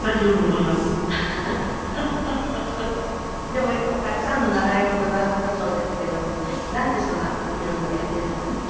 でもたくさんの習い事をなすったそうですけどもなんでそんな色んなやってみたの？